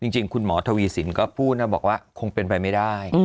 จริงคุณหมอทวีสินก็พูดนะบอกว่าคงเป็นไปไม่ได้